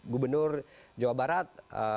gubernur jawa barat